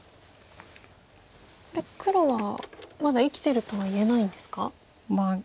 これ黒はまだ生きてるとは言えないんですか？